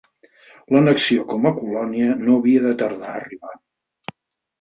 L'annexió com a colònia no havia de tardar a arribar.